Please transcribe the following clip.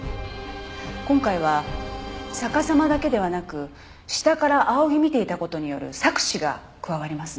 今回は逆さまだけではなく下から仰ぎ見ていた事による錯視が加わりますね。